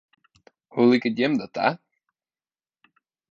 Hoe liket jim dat ta?